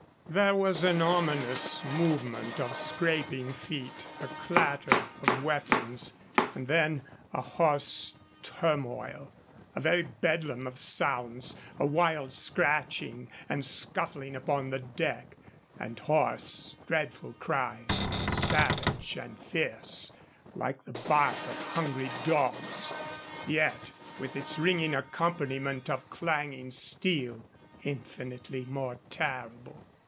There was an ominous movement of scraping feet, a clatter of weapons, and then a hoarse turmoil, a very bedlam of sounds, a wild scratching and scuffling upon the deck, and hoarse, dreadful cries, savage and fierce, like the bark of hungry dogs, yet, with its ringing accompaniment of clanging steel, infinitely more terrible.